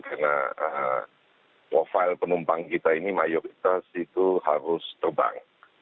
karena profile penumpang kita ini mayoritas itu harus terbang